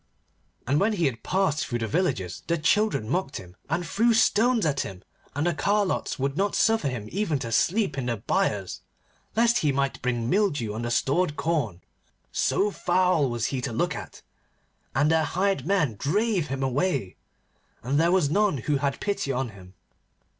And when he passed through the villages the children mocked him, and threw stones at him, and the carlots would not suffer him even to sleep in the byres lest he might bring mildew on the stored corn, so foul was he to look at, and their hired men drave him away, and there was none who had pity on him.